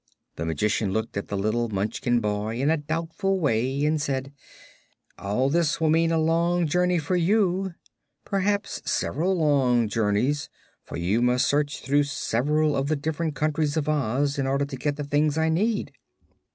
The Magician looked at the little Munchkin boy in a doubtful way and said: "All this will mean a long journey for you; perhaps several long journeys; for you must search through several of the different countries of Oz in order to get the things I need."